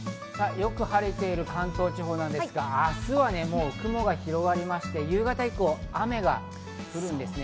よく晴れている関東地方ですが、明日は雲が広がりまして、夕方以降、雨が降るんですね。